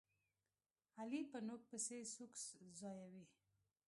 علي په نوک پسې سوک ځایوي.